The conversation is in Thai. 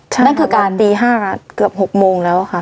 ใช่ครับตี๕นาทีเกือบ๖โมงแล้วค่ะ